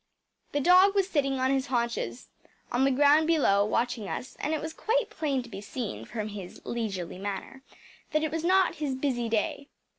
The dog was sitting on his haunches on the ground below, watching us, and it was quite plain to be seen, from his leisurely manner, that it was not his busy day.